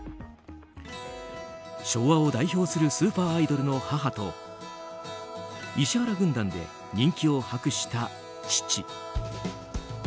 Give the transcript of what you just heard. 昭和を代表するスーパーアイドルの母と石原軍団で人気を博した父。